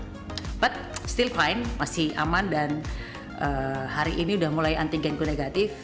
tapi masih baik masih aman dan hari ini udah mulai antigenku negatif